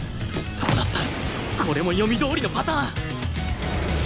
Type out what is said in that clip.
そうなったらこれも読みどおりのパターン！